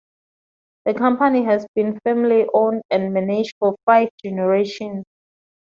The company has been family-owned and managed for five generations.